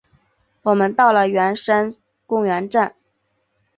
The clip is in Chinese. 我们到了圆山公园站